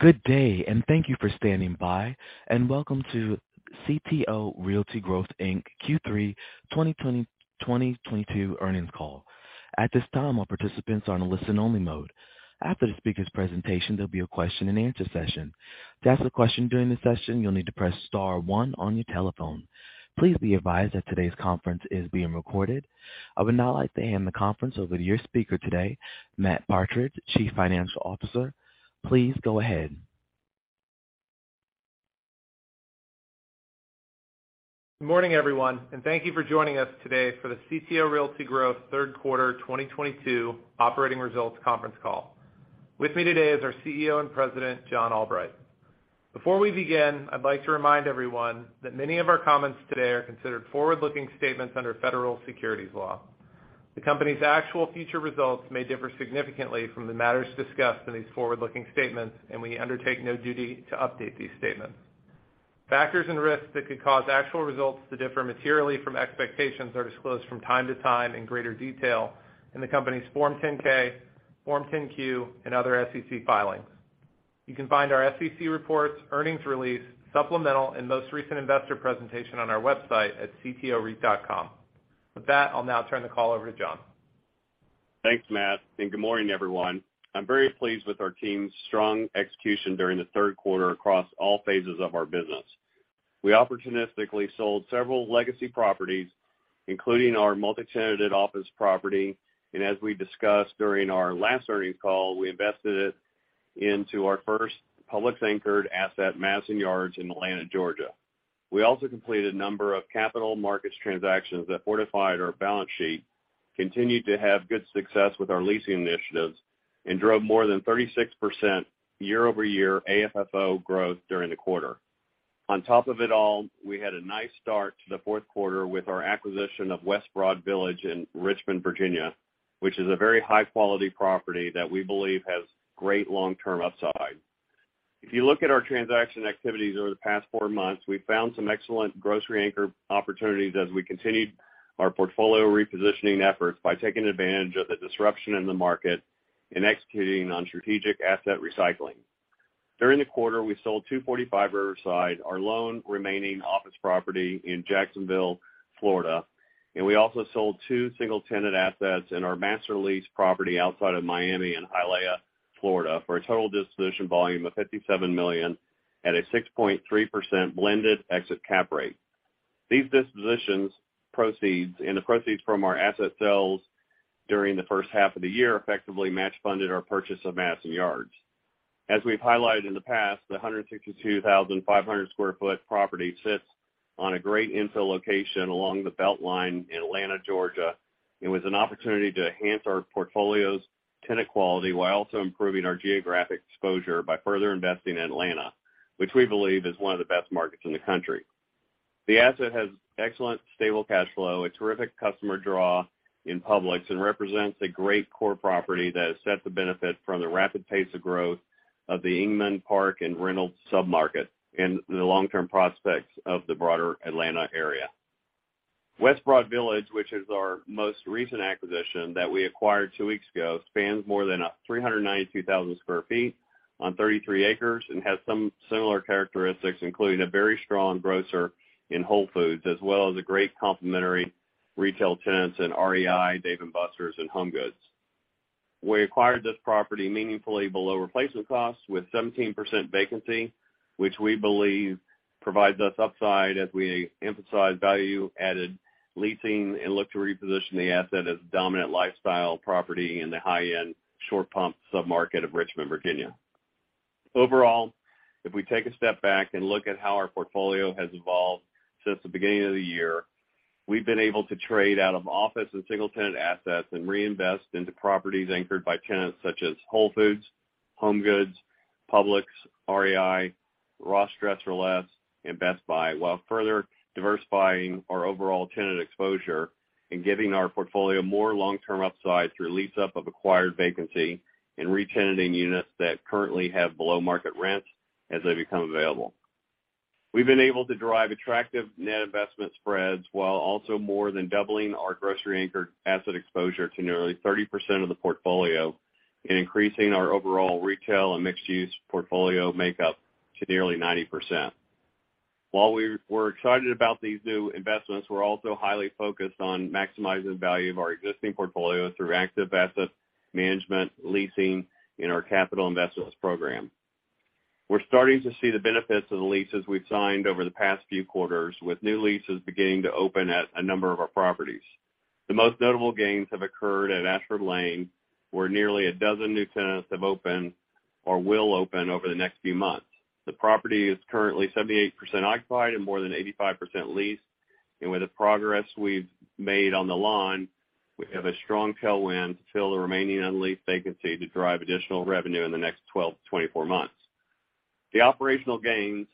Good day, and thank you for standing by, and welcome to CTO Realty Growth, Inc. Q3 2022 earnings call. At this time, all participants are on a listen only mode. After the speaker's presentation, there'll be a question and answer session. To ask a question during the session, you'll need to press star one on your telephone. Please be advised that today's conference is being recorded. I would now like to hand the conference over to your speaker today, Matthew Partridge, Chief Financial Officer. Please go ahead. Good morning, everyone, and thank you for joining us today for the CTO Realty Growth third quarter 2022 operating results conference call. With me today is our CEO and President, John Albright. Before we begin, I'd like to remind everyone that many of our comments today are considered forward-looking statements under federal securities law. The company's actual future results may differ significantly from the matters discussed in these forward-looking statements, and we undertake no duty to update these statements. Factors and risks that could cause actual results to differ materially from expectations are disclosed from time to time in greater detail in the company's Form 10-K, Form 10-Q, and other SEC filings. You can find our SEC reports, earnings release, supplemental, and most recent investor presentation on our website at ctoreit.com. With that, I'll now turn the call over to John. Thanks, Matt, and good morning, everyone. I'm very pleased with our team's strong execution during the third quarter across all phases of our business. We opportunistically sold several legacy properties, including our multi-tenanted office property. As we discussed during our last earnings call, we invested it into our first Publix anchored asset, Madison Yards in Atlanta, Georgia. We also completed a number of capital markets transactions that fortified our balance sheet, continued to have good success with our leasing initiatives, and drove more than 36% year-over-year AFFO growth during the quarter. On top of it all, we had a nice start to the fourth quarter with our acquisition of West Broad Village in Richmond, Virginia, which is a very high quality property that we believe has great long-term upside. If you look at our transaction activities over the past four months, we found some excellent grocery anchor opportunities as we continued our portfolio repositioning efforts by taking advantage of the disruption in the market and executing on strategic asset recycling. During the quarter, we sold 245 Riverside, our lone remaining office property in Jacksonville, Florida. We also sold two single tenant assets in our master lease property outside of Miami in Hialeah, Florida, for a total disposition volume of $57 million at a 6.3% blended exit cap rate. These dispositions' proceeds and the proceeds from our asset sales during the first half of the year effectively match-funded our purchase of Madison Yards. As we've highlighted in the past, the 162,500 sq ft property sits on a great infill location along the BeltLine in Atlanta, Georgia, and was an opportunity to enhance our portfolio's tenant quality while also improving our geographic exposure by further investing in Atlanta, which we believe is one of the best markets in the country. The asset has excellent stable cash flow, a terrific customer draw in Publix, and represents a great core property that is set to benefit from the rapid pace of growth of the Inman Park and Reynoldstown submarket and the long-term prospects of the broader Atlanta area. West Broad Village, which is our most recent acquisition that we acquired two weeks ago, spans more than 392,000 sq ft on 33 acres and has some similar characteristics, including a very strong grocer in Whole Foods, as well as a great complementary retail tenants in REI, Dave & Buster's, and HomeGoods. We acquired this property meaningfully below replacement costs with 17% vacancy, which we believe provides us upside as we emphasize value added leasing and look to reposition the asset as a dominant lifestyle property in the high-end Short Pump submarket of Richmond, Virginia. Overall, if we take a step back and look at how our portfolio has evolved since the beginning of the year, we've been able to trade out of office and single tenant assets and reinvest into properties anchored by tenants such as Whole Foods, HomeGoods, Publix, REI, Ross Dress for Less, and Best Buy, while further diversifying our overall tenant exposure and giving our portfolio more long-term upside through lease up of acquired vacancy and re-tenanting units that currently have below market rents as they become available. We've been able to drive attractive net investment spreads while also more than doubling our grocery anchored asset exposure to nearly 30% of the portfolio and increasing our overall retail and mixed-use portfolio makeup to nearly 90%. While we're excited about these new investments, we're also highly focused on maximizing value of our existing portfolio through active asset management leasing in our capital investments program. We're starting to see the benefits of the leases we've signed over the past few quarters, with new leases beginning to open at a number of our properties. The most notable gains have occurred at Ashford Lane, where nearly a dozen new tenants have opened or will open over the next few months. The property is currently 78% occupied and more than 85% leased. With the progress we've made on the line, we have a strong tailwind to fill the remaining unleased vacancy to drive additional revenue in the next 12-24 months. The operational gains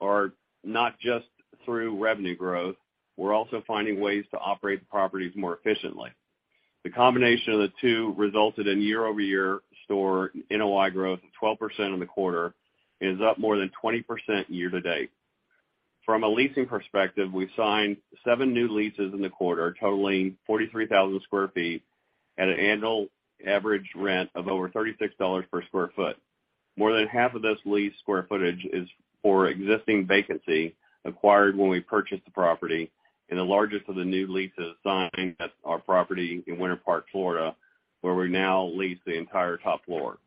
are not just through revenue growth. We're also finding ways to operate the properties more efficiently. The combination of the two resulted in year-over-year store NOI growth of 12% in the quarter and is up more than 20% year-to-date. From a leasing perspective, we signed seven new leases in the quarter, totaling 43,000 sq ft at an annual average rent of over $36 per sq ft. More than half of this leased square footage is for existing vacancy acquired when we purchased the property, and the largest of the new leases signed at our property in Winter Park, Florida, where we now lease the entire top floor.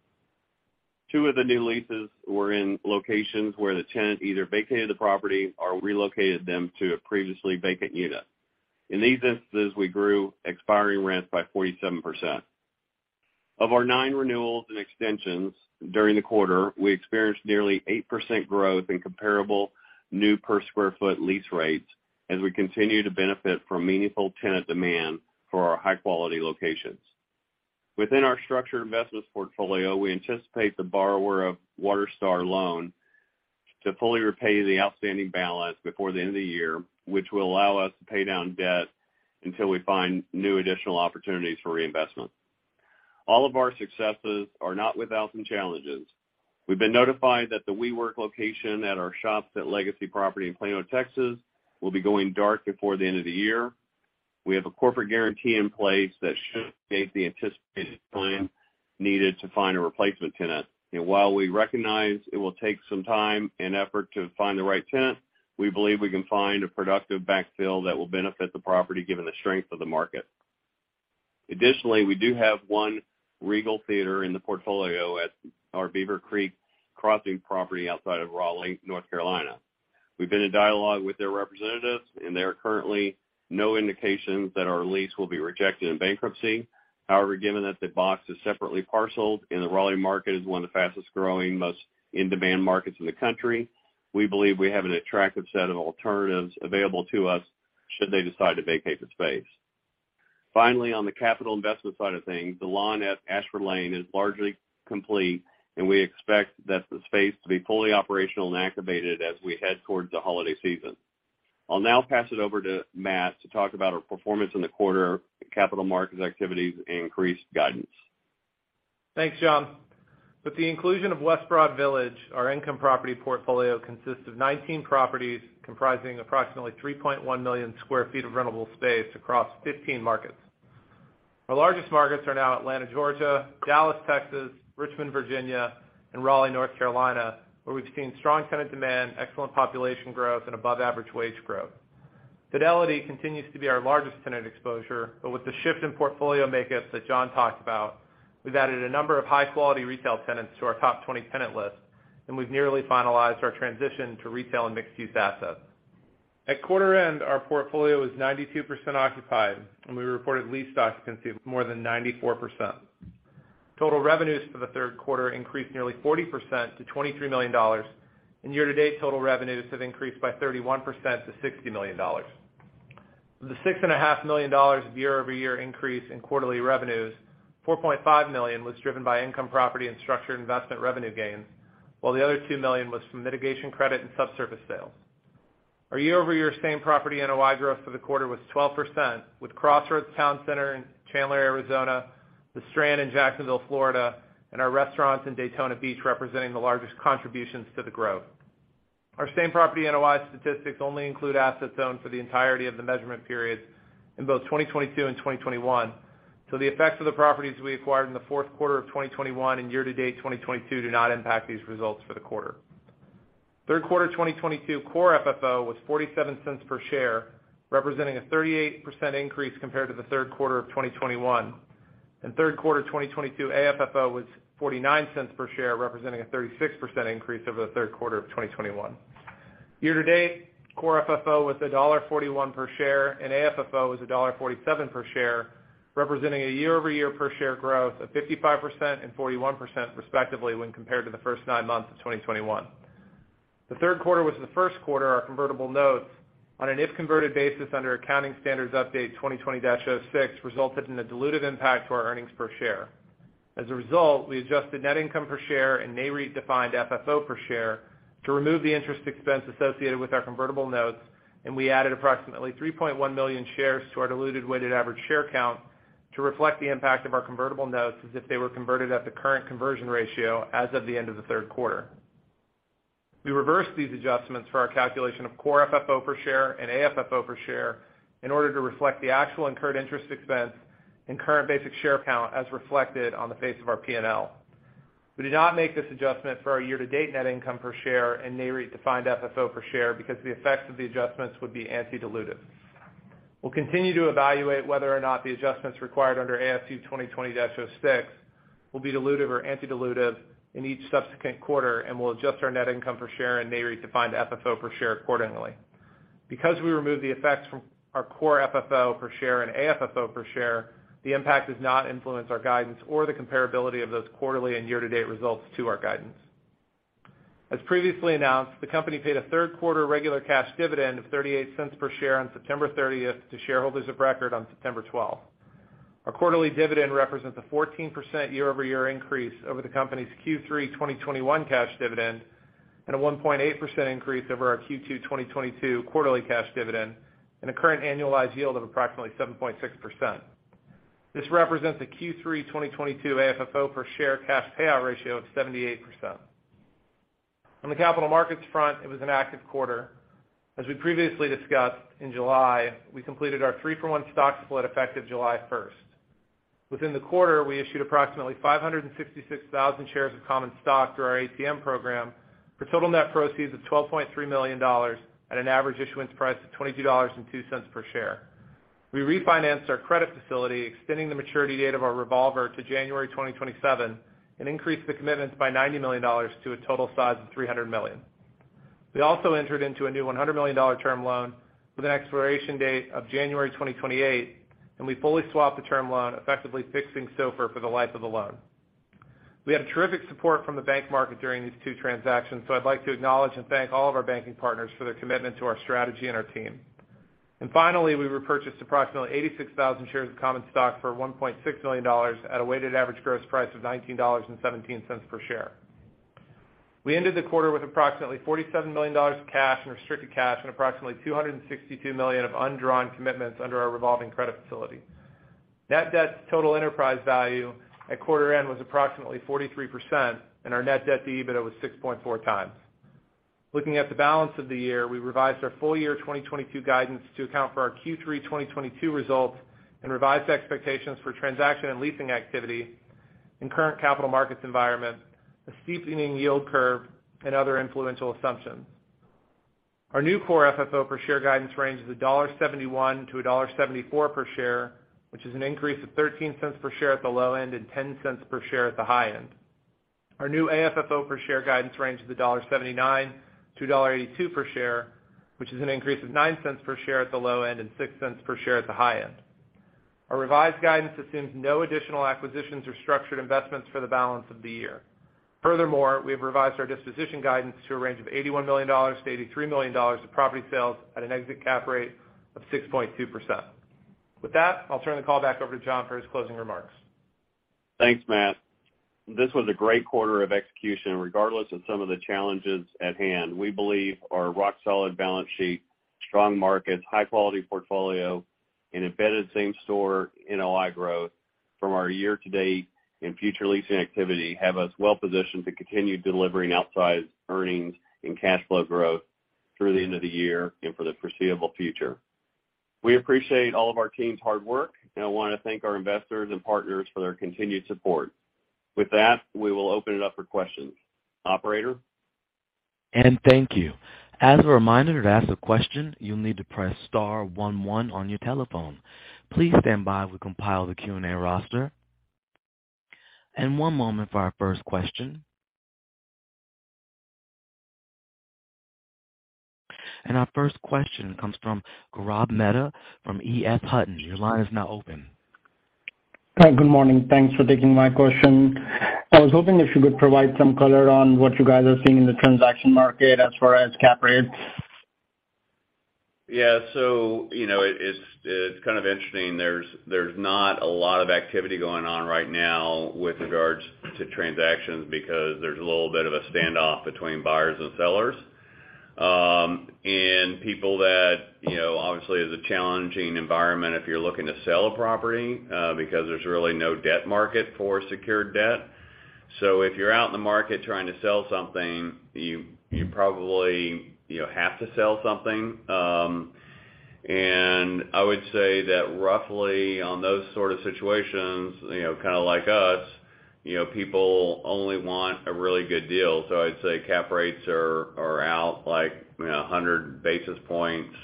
Two of the new leases were in locations where the tenant either vacated the property or relocated them to a previously vacant unit. In these instances, we grew expiring rents by 47%. Of our nine renewals and extensions during the quarter, we experienced nearly 8% growth in comparable new per square foot lease rates as we continue to benefit from meaningful tenant demand for our high-quality locations. Within our structured investments portfolio, we anticipate the borrower of Water Star Loan to fully repay the outstanding balance before the end of the year, which will allow us to pay down debt until we find new additional opportunities for reinvestment. All of our successes are not without some challenges. We've been notified that the WeWork location at our Shops at Legacy property in Plano, Texas, will be going dark before the end of the year. We have a corporate guarantee in place that should make the anticipated plan needed to find a replacement tenant. While we recognize it will take some time and effort to find the right tenant, we believe we can find a productive backfill that will benefit the property given the strength of the market. Additionally, we do have one Regal Theater in the portfolio at our Beaver Creek Crossing property outside of Raleigh, North Carolina. We've been in dialogue with their representatives, and there are currently no indications that our lease will be rejected in bankruptcy. However, given that the box is separately parceled and the Raleigh market is one of the fastest-growing, most in-demand markets in the country, we believe we have an attractive set of alternatives available to us should they decide to vacate the space. Finally, on the capital investment side of things, the lawn at Ashford Lane is largely complete, and we expect that the space to be fully operational and activated as we head towards the holiday season. I'll now pass it over to Matt to talk about our performance in the quarter, capital markets activities, and increased guidance. Thanks, John. With the inclusion of West Broad Village, our income property portfolio consists of 19 properties comprising approximately 3.1 million sq ft of rentable space across 15 markets. Our largest markets are now Atlanta, Georgia, Dallas, Texas, Richmond, Virginia, and Raleigh, North Carolina, where we've seen strong tenant demand, excellent population growth, and above-average wage growth. Fidelity continues to be our largest tenant exposure, but with the shift in portfolio makeup that John talked about, we've added a number of high-quality retail tenants to our top 20 tenant list, and we've nearly finalized our transition to retail and mixed-use assets. At quarter end, our portfolio was 92% occupied, and we reported lease occupancy of more than 94%. Total revenues for the third quarter increased nearly 40% to $23 million, and year-to-date total revenues have increased by 31% to $60 million. Of the $6.5 million year-over-year increase in quarterly revenues, $4.5 million was driven by income property and structured investment revenue gains, while the other $2 million was from mitigation credit and subsurface sales. Our year-over-year same property NOI growth for the quarter was 12%, with Crossroads Town Center in Chandler, Arizona, The Strand in Jacksonville, Florida, and our restaurants in Daytona Beach representing the largest contributions to the growth. Our same property NOI statistics only include assets owned for the entirety of the measurement period in both 2022 and 2021, so the effects of the properties we acquired in the fourth quarter of 2021 and year-to-date 2022 do not impact these results for the quarter. Third quarter 2022 Core FFO was $0.47 per share, representing a 38% increase compared to the third quarter of 2021. Third quarter 2022 AFFO was $0.49 per share, representing a 36% increase over the third quarter of 2021. Year to date, Core FFO was $1.41 per share, and AFFO was $1.47 per share, representing a year-over-year per share growth of 55% and 41% respectively when compared to the first nine months of 2021. The third quarter was the first quarter our convertible notes on an if-converted basis under Accounting Standards Update 2020-06 resulted in a dilutive impact to our earnings per share. As a result, we adjusted net income per share and Nareit-defined FFO per share to remove the interest expense associated with our convertible notes, and we added approximately 3.1 million shares to our diluted weighted average share count to reflect the impact of our convertible notes as if they were converted at the current conversion ratio as of the end of the third quarter. We reversed these adjustments for our calculation of Core FFO per share and AFFO per share in order to reflect the actual incurred interest expense and current basic share count as reflected on the face of our P&L. We did not make this adjustment for our year-to-date net income per share and Nareit-defined FFO per share because the effects of the adjustments would be anti-dilutive. We'll continue to evaluate whether or not the adjustments required under ASU 2020-06 will be dilutive or anti-dilutive in each subsequent quarter, and we'll adjust our net income per share and Nareit-defined FFO per share accordingly. Because we removed the effects from our Core FFO per share and AFFO per share, the impact does not influence our guidance or the comparability of those quarterly and year-to-date results to our guidance. As previously announced, the company paid a third quarter regular cash dividend of $0.38 per share on September 30th to shareholders of record on September 12th. Our quarterly dividend represents a 14% year-over-year increase over the company's Q3 2021 cash dividend and a 1.8% increase over our Q2 2022 quarterly cash dividend and a current annualized yield of approximately 7.6%. This represents a Q3 2022 AFFO per share cash payout ratio of 78%. On the capital markets front, it was an active quarter. As we previously discussed, in July, we completed our three-for-one stock split effective July 1st. Within the quarter, we issued approximately 566,000 shares of common stock through our ATM program for total net proceeds of $12.3 million at an average issuance price of $22.02 per share. We refinanced our credit facility, extending the maturity date of our revolver to January 2027, and increased the commitments by $90 million to a total size of $300 million. We also entered into a new $100 million term loan with an expiration date of January 2028, and we fully swapped the term loan, effectively fixing SOFR for the life of the loan. We had terrific support from the bank market during these two transactions, so I'd like to acknowledge and thank all of our banking partners for their commitment to our strategy and our team. Finally, we repurchased approximately 86,000 shares of common stock for $1.6 million at a weighted average gross price of $19.17 per share. We ended the quarter with approximately $47 million in cash and restricted cash and approximately $262 million of undrawn commitments under our revolving credit facility. Net debt to total enterprise value at quarter end was approximately 43%, and our net debt to EBITDA was 6.4x. Looking at the balance of the year, we revised our full year 2022 guidance to account for our Q3 2022 results and revised expectations for transaction and leasing activity in current capital markets environment, a steepening yield curve, and other influential assumptions. Our new Core FFO per share guidance range is $1.71-$1.74 per share, which is an increase of $0.13 per share at the low end and $0.10 per share at the high end. Our new AFFO per share guidance range is $1.79-$1.82 per share, which is an increase of $0.09 per share at the low end and $0.06 per share at the high end. Our revised guidance assumes no additional acquisitions or structured investments for the balance of the year. Furthermore, we have revised our disposition guidance to a range of $81 million-$83 million of property sales at an exit cap rate of 6.2%. With that, I'll turn the call back over to John for his closing remarks. Thanks, Matt. This was a great quarter of execution, regardless of some of the challenges at hand. We believe our rock-solid balance sheet, strong markets, high-quality portfolio, and embedded same-store NOI growth from our year-to-date and future leasing activity have us well positioned to continue delivering outsized earnings and cash flow growth through the end of the year and for the foreseeable future. We appreciate all of our team's hard work, and I wanna thank our investors and partners for their continued support. With that, we will open it up for questions. Operator? Thank you. As a reminder, to ask a question, you'll need to press star one one on your telephone. Please stand by while we compile the Q&A roster. One moment for our first question. Our first question comes from Gaurav Mehta from EF Hutton. Your line is now open. Hi. Good morning. Thanks for taking my question. I was hoping if you could provide some color on what you guys are seeing in the transaction market as far as cap rates? Yeah. You know, it's kind of interesting. There's not a lot of activity going on right now with regards to transactions because there's a little bit of a standoff between buyers and sellers. People that, you know, obviously, it's a challenging environment if you're looking to sell a property, because there's really no debt market for secured debt. If you're out in the market trying to sell something, you probably, you know, have to sell something. I would say that roughly on those sort of situations, you know, kind of like us, you know, people only want a really good deal. I'd say cap rates are out like, you know, 100 basis points,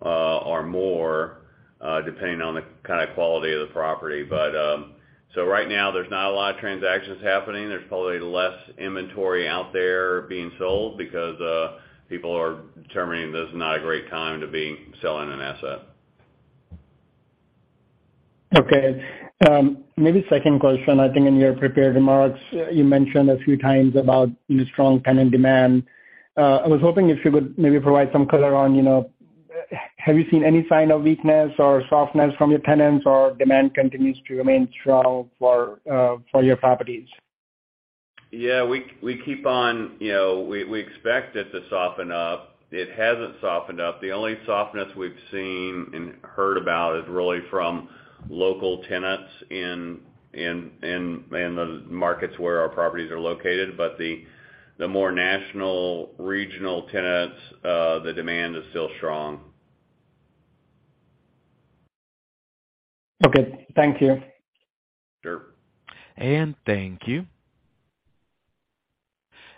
or more, depending on the kind of quality of the property. Right now, there's not a lot of transactions happening. There's probably less inventory out there being sold because people are determining this is not a great time to be selling an asset. Okay. Maybe a second question. I think in your prepared remarks, you mentioned a few times about the strong tenant demand. I was hoping if you could maybe provide some color on, you know, have you seen any sign of weakness or softness from your tenants, or demand continues to remain strong for your properties? Yeah. We keep on. You know, we expect it to soften up. It hasn't softened up. The only softness we've seen and heard about is really from local tenants in the markets where our properties are located. The more national, regional tenants, the demand is still strong. Okay. Thank you. Sure. Thank you.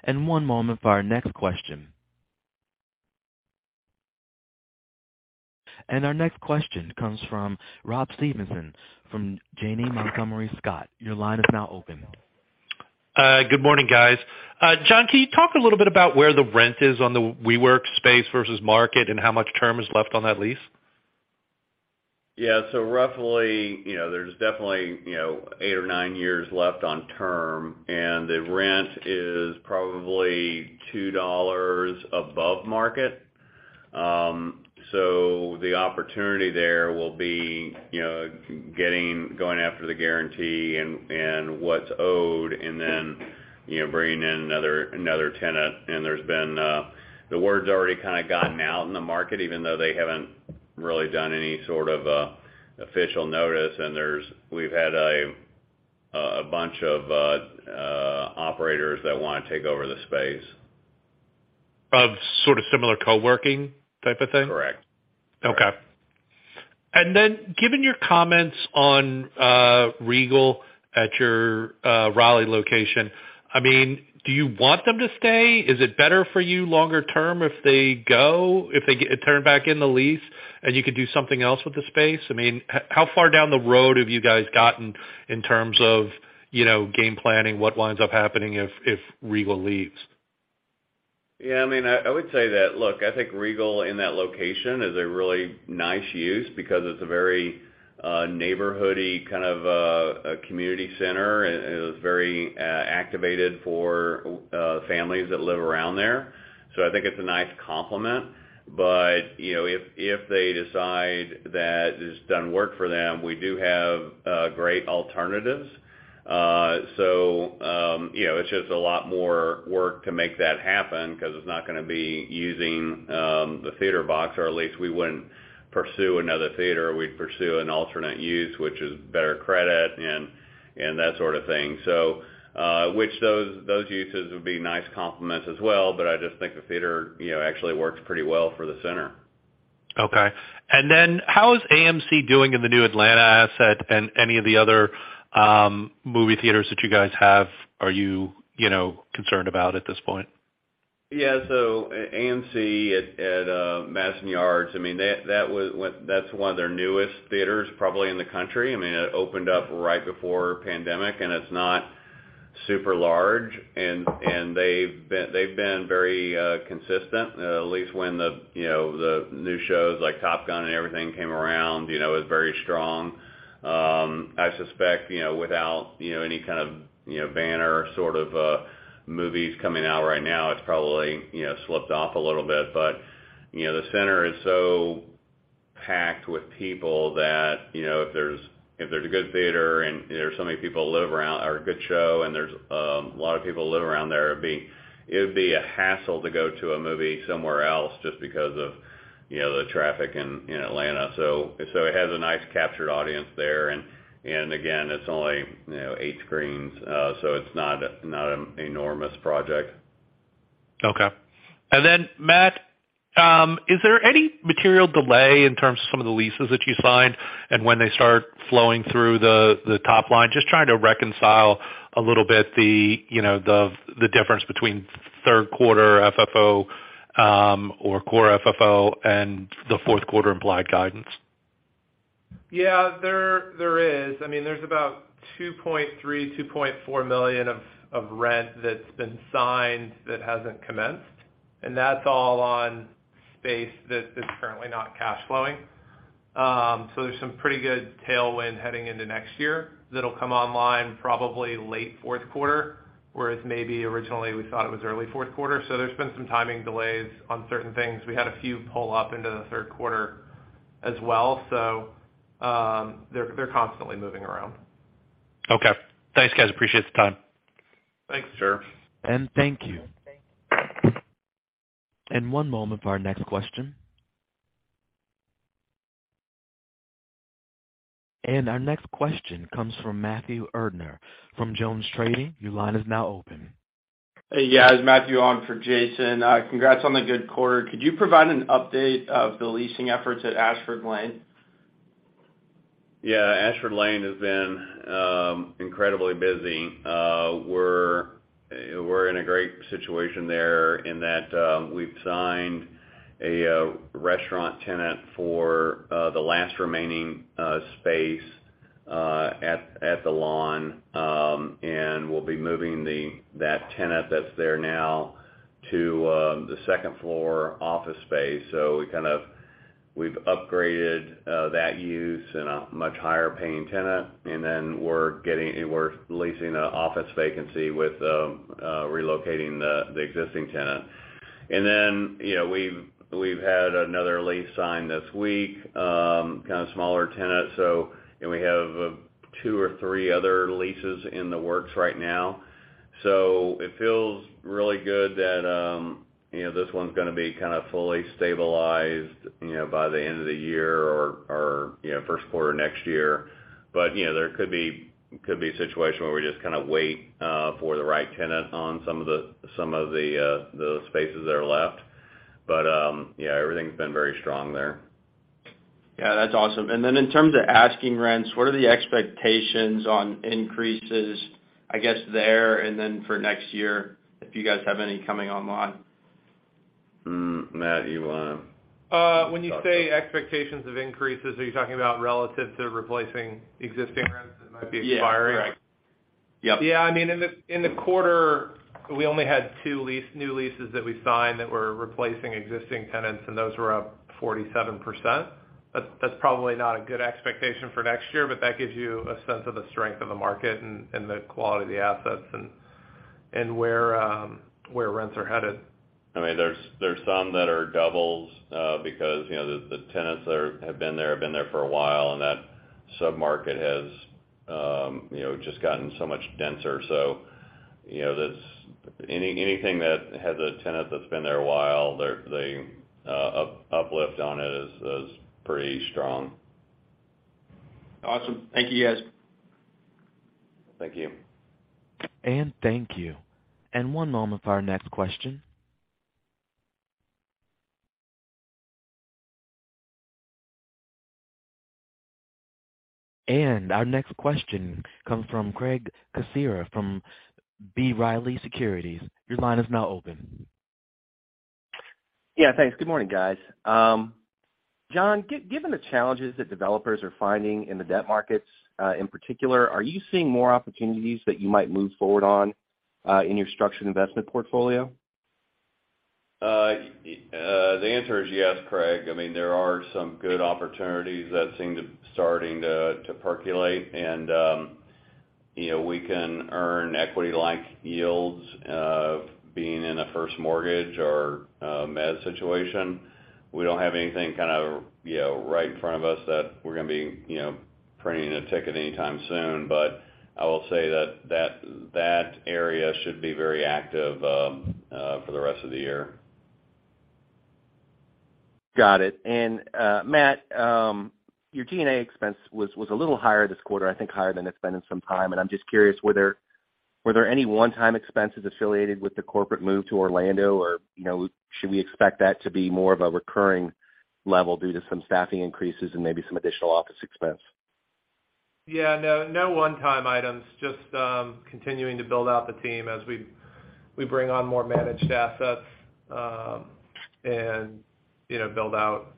One moment for our next question. Our next question comes from Rob Stevenson from Janney Montgomery Scott. Your line is now open. Good morning, guys. John, can you talk a little bit about where the rent is on the WeWork space versus market and how much term is left on that lease? Yeah. Roughly, you know, there's definitely, you know, eight or nine years left on term, and the rent is probably $2 above market. The opportunity there will be, you know, going after the guarantee and what's owed, and then, you know, bringing in another tenant. There's been the word's already kind of gotten out in the market, even though they haven't really done any sort of official notice. We've had a bunch of operators that wanna take over the space. Of sort of similar co-working type of thing? Correct. Okay. Given your comments on Regal at your Raleigh location, I mean, do you want them to stay? Is it better for you longer term if they go, if they turn back in the lease and you could do something else with the space? I mean, how far down the road have you guys gotten in terms of, you know, game planning, what winds up happening if Regal leaves? I mean, I would say that, look, I think Regal in that location is a really nice use because it's a very neighborhoody kind of a community center, and it was very activated for families that live around there. I think it's a nice complement. You know, if they decide that this doesn't work for them, we do have great alternatives. You know, it's just a lot more work to make that happen because it's not gonna be using the theater box, or at least we wouldn't pursue another theater. We'd pursue an alternate use, which is better credit and that sort of thing. Those uses would be nice complements as well, but I just think the theater, you know, actually works pretty well for the center. Okay. How is AMC doing in the new Atlanta asset and any of the other movie theaters that you guys have? Are you know, concerned about at this point? Yeah. AMC at Madison Yards, I mean, that's one of their newest theaters probably in the country. I mean, it opened up right before pandemic, and it's not super large. They've been very consistent, at least when the new shows like Top Gun and everything came around, you know, it was very strong. I suspect, you know, without any kind of banner sort of movies coming out right now, it's probably slipped off a little bit. You know, the center is so packed with people that, you know, if there's a good theater and there's so many people live around, or a good show and there's a lot of people live around there, it would be a hassle to go to a movie somewhere else just because of, you know, the traffic in Atlanta. It has a nice captured audience there. Again, it's only, you know, eight screens, so it's not an enormous project. Okay. Matt, is there any material delay in terms of some of the leases that you signed and when they start flowing through the top line? Just trying to reconcile a little bit you know the difference between third quarter FFO or Core FFO and the fourth quarter implied guidance. Yeah. There is. I mean, there's about $2.3 million-$2.4 million of rent that's been signed that hasn't commenced, and that's all on space that is currently not cash flowing. So there's some pretty good tailwind heading into next year that'll come online probably late fourth quarter, whereas maybe originally we thought it was early fourth quarter. There's been some timing delays on certain things. We had a few pull up into the third quarter as well, they're constantly moving around. Okay. Thanks, guys. Appreciate the time. Thanks, sir. Thank you. One moment for our next question. Our next question comes from Matthew Erdner from JonesTrading. Your line is now open. Hey, guys. Matthew on for Jason. Congrats on the good quarter. Could you provide an update of the leasing efforts at Ashford Lane? Yeah. Ashford Lane has been incredibly busy. We're in a great situation there in that we've signed a restaurant tenant for the last remaining space at The Lawn. We'll be moving that tenant that's there now to the second floor office space. We've upgraded that use in a much higher paying tenant, and then we're leasing a office vacancy with relocating the existing tenant. You know, we've had another lease signed this week, kind of smaller tenant. We have two or three other leases in the works right now. It feels really good that, you know, this one's gonna be kind of fully stabilized, you know, by the end of the year or, you know, first quarter next year. You know, there could be a situation where we just kind of wait for the right tenant on some of the spaces that are left. Yeah, everything's been very strong there. Yeah, that's awesome. In terms of asking rents, what are the expectations on increases, I guess, there, and then for next year, if you guys have any coming online? Matt, do you wanna? When you say expectations of increases, are you talking about relative to replacing existing rents that might be expiring? Yeah. Correct. Yep. Yeah. I mean, in the quarter, we only had two new leases that we signed that were replacing existing tenants, and those were up 47%. That's probably not a good expectation for next year, but that gives you a sense of the strength of the market and the quality of the assets and where rents are headed. I mean, there's some that are doubles, because, you know, the tenants that have been there for a while, and that sub-market has, you know, just gotten so much denser. You know, that's anything that has a tenant that's been there a while, their uplift on it is pretty strong. Awesome. Thank you, guys. Thank you. Thank you. One moment for our next question. Our next question comes from Craig Kucera from B. Riley Securities. Your line is now open. Yeah, thanks. Good morning, guys. John, given the challenges that developers are finding in the debt markets, in particular, are you seeing more opportunities that you might move forward on, in your structured investment portfolio? The answer is yes, Craig. I mean, there are some good opportunities that seem starting to percolate. You know, we can earn equity-like yields being in a first mortgage or mezz situation. We don't have anything kind of, you know, right in front of us that we're gonna be, you know, printing a ticket anytime soon. I will say that area should be very active for the rest of the year. Got it. Matt, your G&A expense was a little higher this quarter, I think higher than it's been in some time. I'm just curious, were there any one-time expenses associated with the corporate move to Orlando? You know, should we expect that to be more of a recurring level due to some staffing increases and maybe some additional office expense? Yeah, no one-time items. Just continuing to build out the team as we bring on more managed assets, and you know, build out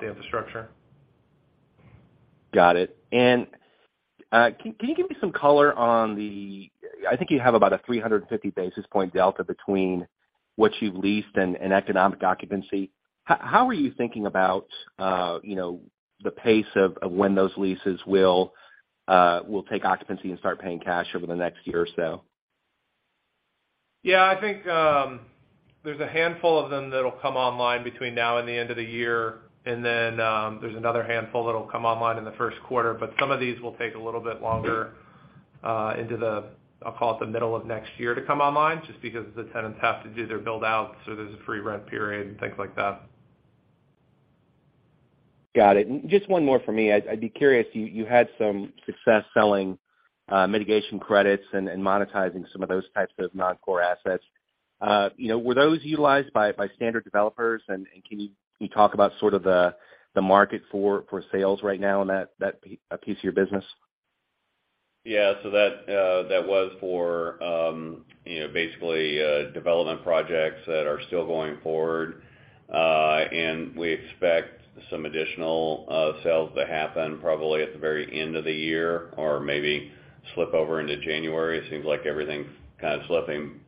the infrastructure. Got it. Can you give me some color on the I think you have about a 350 basis point delta between what you've leased and economic occupancy. How are you thinking about, you know, the pace of when those leases will take occupancy and start paying cash over the next year or so? Yeah, I think, there's a handful of them that'll come online between now and the end of the year, and then, there's another handful that'll come online in the first quarter. Some of these will take a little bit longer, into the, I'll call it, the middle of next year to come online, just because the tenants have to do their build out, so there's a free rent period and things like that. Got it. Just one more for me. I'd be curious, you had some success selling mitigation credits and monetizing some of those types of non-core assets. You know, were those utilized by standard developers? Can you talk about sort of the market for sales right now in that piece of your business? Yeah. That was for, you know, basically, development projects that are still going forward. We expect some additional sales to happen probably at the very end of the year or maybe slip over into January. It seems like everything's kind of slipping.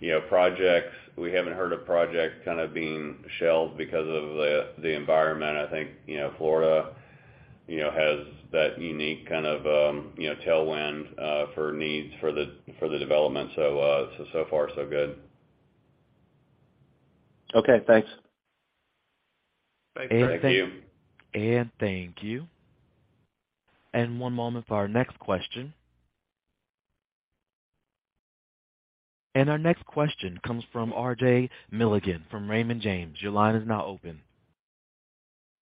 You know, projects, we haven't heard of projects kind of being shelved because of the environment. I think, you know, Florida, you know, has that unique kind of, you know, tailwind for needs for the development. So far, so good. Okay, thanks. Thank you. Thank you. One moment for our next question. Our next question comes from RJ Milligan from Raymond James. Your line is now open.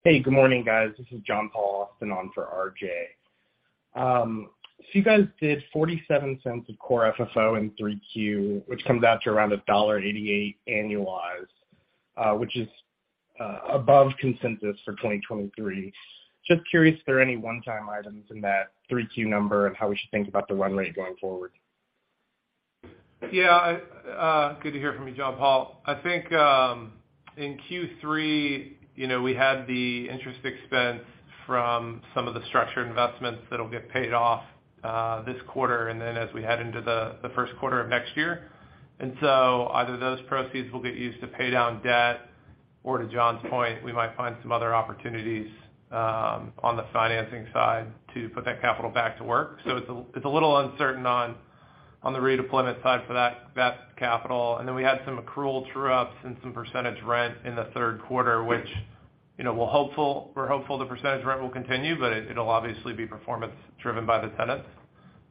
Hey, good morning, guys. This is John Paul Austin on for RJ. You guys did $0.47 of Core FFO in 3Q, which comes out to around $1.88 annualized, which is above consensus for 2023. Just curious if there are any one-time items in that 3Q number and how we should think about the run rate going forward? Yeah. Good to hear from you, John Paul. I think in Q3, you know, we had the interest expense from some of the structured investments that'll get paid off this quarter and then as we head into the first quarter of next year. Either those proceeds will get used to pay down debt or to John's point, we might find some other opportunities on the financing side to put that capital back to work. It's a little uncertain on the redeployment side for that capital. Then we had some accrual true-ups and some percentage rent in the third quarter, which, you know, we're hopeful the percentage rent will continue, but it'll obviously be performance driven by the tenants.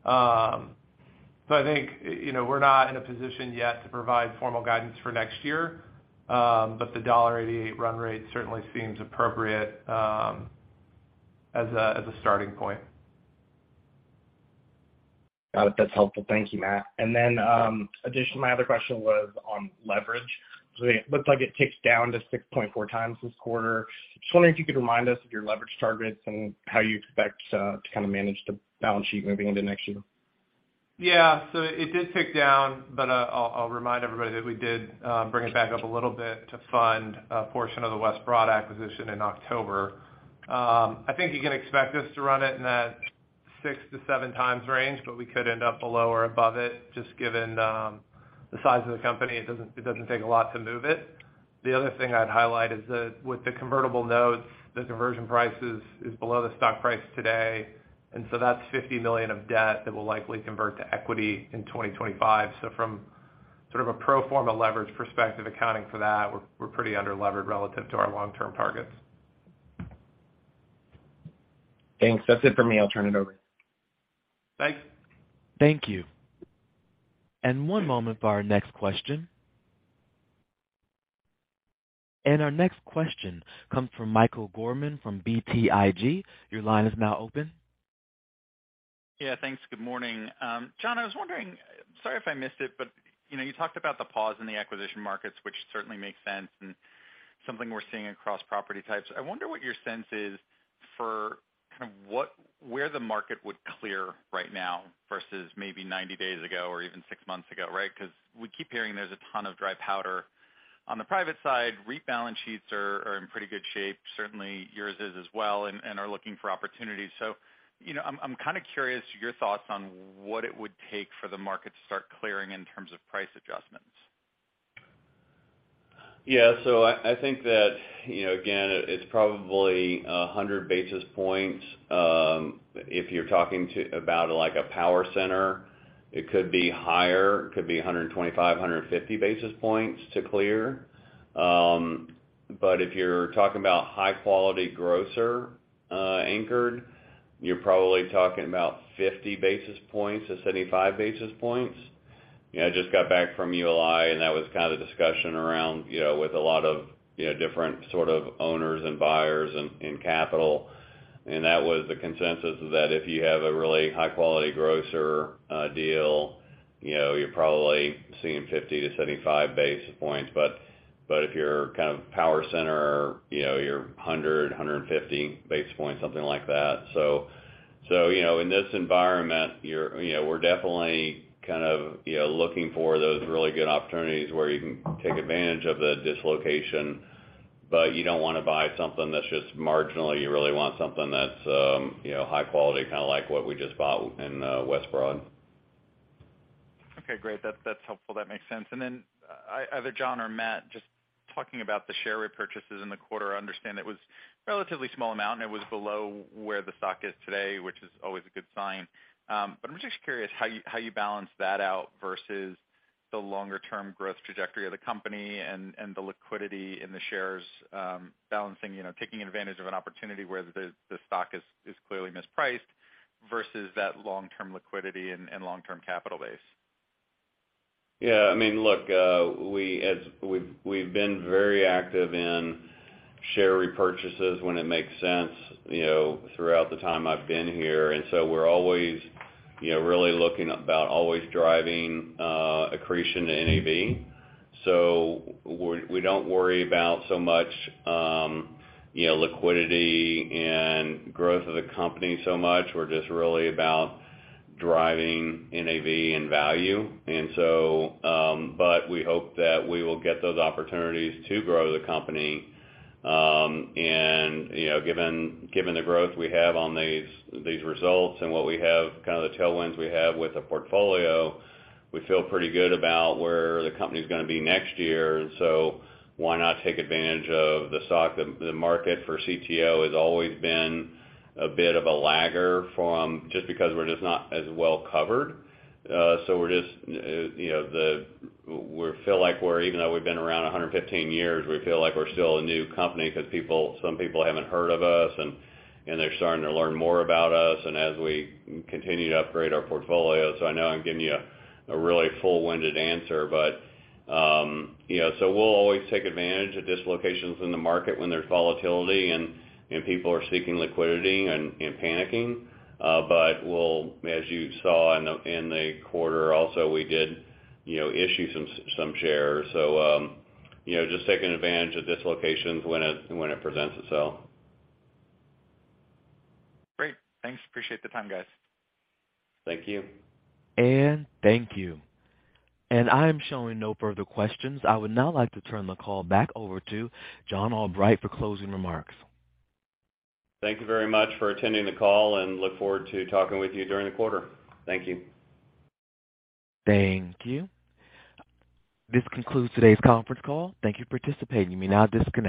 I think, you know, we're not in a position yet to provide formal guidance for next year, but the $88 run rate certainly seems appropriate, as a starting point. Got it. That's helpful. Thank you, Matt. My other question was on leverage. It looks like it ticks down to 6.4x this quarter. Just wondering if you could remind us of your leverage targets and how you expect to kind of manage the balance sheet moving into next year. Yeah. It did tick down, but I'll remind everybody that we did bring it back up a little bit to fund a portion of the West Broad acquisition in October. I think you can expect us to run it in that 6x-7x range, but we could end up below or above it just given. The size of the company, it doesn't take a lot to move it. The other thing I'd highlight is that with the convertible notes, the conversion price is below the stock price today, and so that's $50 million of debt that will likely convert to equity in 2025. From sort of a pro forma leverage perspective accounting for that, we're pretty under-levered relative to our long-term targets. Thanks. That's it for me. I'll turn it over. Thanks. Thank you. One moment for our next question. Our next question comes from Michael Gorman from BTIG. Your line is now open. Yeah, thanks. Good morning. John, I was wondering, sorry if I missed it, but, you know, you talked about the pause in the acquisition markets, which certainly makes sense and something we're seeing across property types. I wonder what your sense is for kind of where the market would clear right now versus maybe 90 days ago or even six months ago, right? 'Cause we keep hearing there's a ton of dry powder on the private side. REIT balance sheets are in pretty good shape, certainly yours is as well, and are looking for opportunities. So, you know, I'm kinda curious your thoughts on what it would take for the market to start clearing in terms of price adjustments. Yeah. I think that, you know, again, it's probably 100 basis points. If you're talking about like a power center, it could be higher, it could be 125, 150 basis points to clear. But if you're talking about high-quality grocer anchored, you're probably talking about 50-75 basis points. You know, I just got back from ULI, and that was kind of the discussion around, you know, with a lot of, you know, different sort of owners and buyers and capital. And that was the consensus, is that if you have a really high-quality grocer deal, you know, you're probably seeing 50-75 basis points. But if you're kind of power center, you know, you're 100, 150 basis points, something like that. you know, in this environment, you know, we're definitely kind of, you know, looking for those really good opportunities where you can take advantage of the dislocation. You don't wanna buy something that's just marginal. You really want something that's, you know, high quality, kinda like what we just bought in West Broad. Okay, great. That's helpful. That makes sense. Then either John or Matt, just talking about the share repurchases in the quarter, I understand it was relatively small amount and it was below where the stock is today, which is always a good sign. But I'm just curious how you balance that out versus the longer term growth trajectory of the company and the liquidity in the shares, balancing, you know, taking advantage of an opportunity where the stock is clearly mispriced versus that long-term liquidity and long-term capital base. Yeah, I mean, look, as we've been very active in share repurchases when it makes sense, you know, throughout the time I've been here. We're always, you know, really looking about always driving accretion to NAV. We don't worry about so much, you know, liquidity and growth of the company so much. We're just really about driving NAV and value. But we hope that we will get those opportunities to grow the company, and, you know, given the growth we have on these results and what we have, kind of the tailwinds we have with the portfolio, we feel pretty good about where the company's gonna be next year. Why not take advantage of the stock? The market for CTO has always been a bit of a laggard. Just because we're just not as well covered. We're just, you know, we feel like we're, even though we've been around 115 years, we feel like we're still a new company 'cause some people haven't heard of us and they're starting to learn more about us and as we continue to upgrade our portfolio. I know I'm giving you a really long-winded answer. You know, we'll always take advantage of dislocations in the market when there's volatility and people are seeking liquidity and panicking. We'll, as you saw in the quarter also, we did, you know, issue some shares. You know, just taking advantage of dislocations when it presents itself. Great. Thanks. Appreciate the time, guys. Thank you. Thank you. I'm showing no further questions. I would now like to turn the call back over to John Albright for closing remarks. Thank you very much for attending the call, and look forward to talking with you during the quarter. Thank you. Thank you. This concludes today's conference call. Thank you for participating. You may now disconnect.